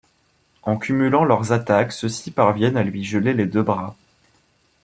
En cumulant leurs attaques, ceux-ci parviennent à lui geler les deux bras.